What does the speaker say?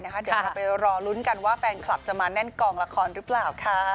เดี๋ยวเราไปรอลุ้นกันว่าแฟนคลับจะมาแน่นกองละครหรือเปล่าค่ะ